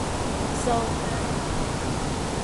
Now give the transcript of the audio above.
โซลฮะ